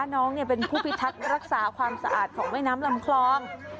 น้องเป็นผู้พิทักษ์รักษาความสะอาดของแม่น้ำลำคลอง